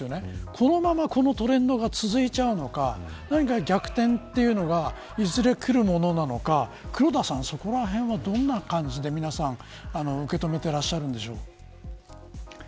このまま、このトレンドが続いてしまうのか逆転というのがいずれくるものなのか黒田さん、そこらへんはどんな感じで皆さん受け止めていらっしゃるんでしょうか。